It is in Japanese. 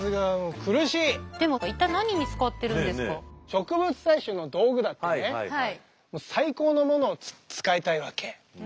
植物採集の道具だってね最高のものを使いたいわけ。